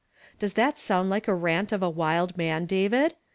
Does that sound like the rant of a wild man, David?